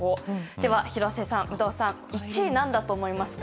では廣瀬さん、有働さん１位は何だと思いますか？